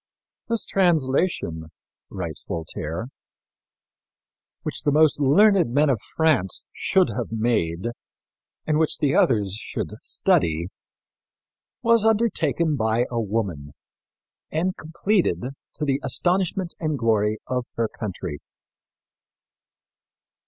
"This translation," writes Voltaire, "which the most learned men of France should have made and which the others should study, was undertaken by a woman and completed to the astonishment and glory of her country."